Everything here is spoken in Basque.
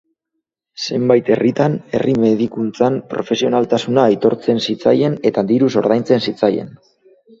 Zenbait herritan, herri-medikuntzan, profesionaltasuna aitortzen zitzaien eta diruz ordaintzen zitzaien.